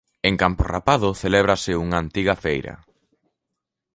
En Camporrapado celebrábase unha antiga feira.